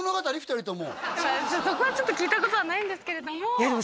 そこはちょっと聞いたことはないんですけれどもいや